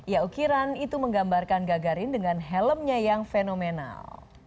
ya ukiran itu menggambarkan gagarin dengan helmnya yang fenomenal